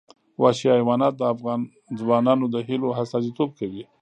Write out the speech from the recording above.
وحشي حیوانات د افغان ځوانانو د هیلو استازیتوب کوي.